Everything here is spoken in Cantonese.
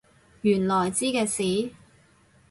原來知嘅事？